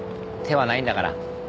手はないんだから。